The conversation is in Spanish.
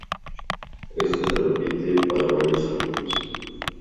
Esto se repite para varios ángulos.